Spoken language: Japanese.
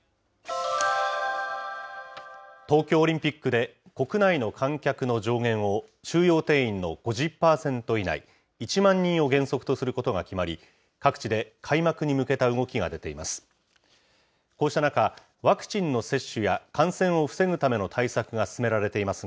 東京オリンピックで、国内の観客の上限を収容定員の５０％以内、１万人を原則とすることが決まり、各地で開幕に向けた動きが出ています。